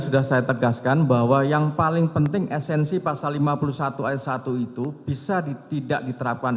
sudah saya tegaskan bahwa yang paling penting esensi pasal lima puluh satu ayat satu itu bisa tidak diterapkan